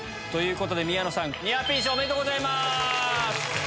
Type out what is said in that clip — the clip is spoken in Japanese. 宮野さんニアピン賞おめでとうございます！